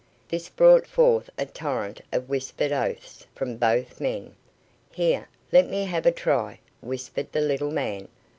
This brought forth a torrent of whispered oaths from both men. "Here, let me have a try," whispered the little man.